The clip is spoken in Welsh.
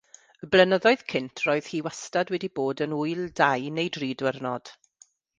Y blynyddoedd cynt roedd hi wastad wedi bod yn ŵyl dau neu dri diwrnod.